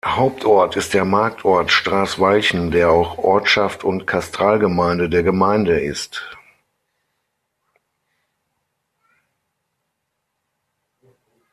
Hauptort ist der Marktort "Straßwalchen", der auch Ortschaft und Katastralgemeinde der Gemeinde ist.